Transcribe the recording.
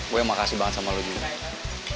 gue yang makasih banget sama lo juga